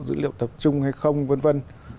dữ liệu tập trung hay không vân vân